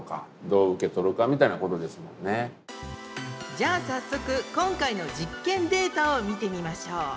じゃあ早速今回の実験データを見てみましょう。